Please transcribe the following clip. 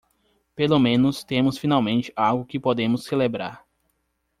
Pelo menos temos finalmente algo que podemos celebrar.